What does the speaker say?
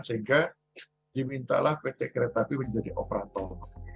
sehingga dimintalah pt kereta api menjadi operator